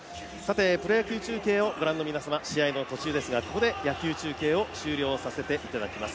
プロ野球中継をご覧の皆様、試合の途中ですが、ここで野球中継を終了させていただきます。